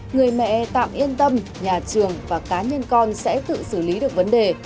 người mẹ tạm yên tâm nhà trường và cá nhân con sẽ tự xử lý được vấn đề